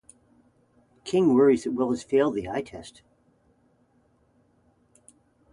King worries that Will has failed the eye test.